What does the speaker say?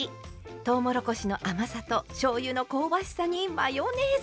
とうもろこしの甘さとしょうゆの香ばしさにマヨネーズ。